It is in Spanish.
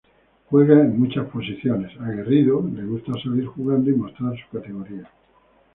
Juega en muchas posiciones. Aguerrido, le gusta salir jugando y mostrar su categoría.